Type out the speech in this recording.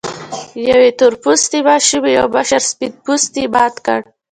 يوې تور پوستې ماشومې يو مشر سپين پوستي مات کړ.